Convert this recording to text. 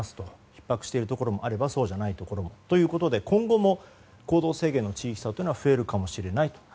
ひっ迫しているところもあればそうじゃないところもということで今後も行動制限の地域差は増えるかもしれないと。